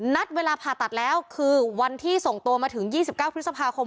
นัดเวลาผ่าตัดแล้วคือวันที่ส่งตัวมาถึง๒๙พฤษภาคม